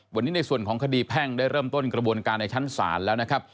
วันนี้ในส่วนของคดีแพ่งได้เริ่มต้นกระบวนการในชั้นศาลแล้วนะครับ